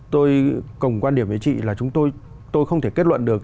tôi cùng quan điểm với chị là chúng tôi không thể kết luận được